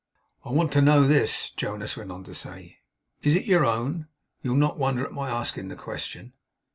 'I want to know this,' Jonas went on to say; 'is it your own? You'll not wonder at my asking the question.